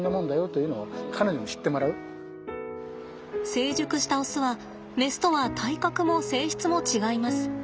成熟したオスはメスとは体格も性質も違います。